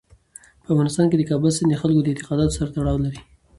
په افغانستان کې د کابل سیند د خلکو د اعتقاداتو سره تړاو لري.